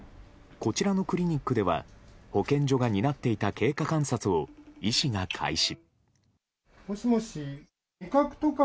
こちらのクリニックでは保健所が担っていた経過観察を医師が開始。